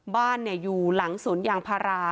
บ้านอยู่หลังสวนยางพารา